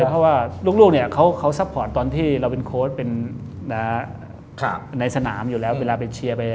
เพราะว่าลูกเนี่ยเขาซัพพอร์ตตอนที่เราเป็นโค้ดเป็นในสนามอยู่แล้วเวลาไปเชียร์ไป